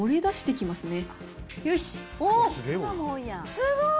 すごーい。